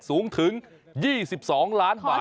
สูงถึง๒๒ล้านบาท